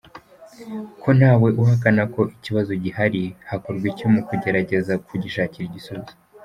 Ko ntawe uhakana ko ikibazo gihari, hakorwa iki mu kugerageza kugishakira igisubizo?.